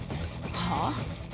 はあ？